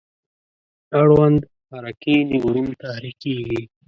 اړوند حرکي نیورون تحریکیږي.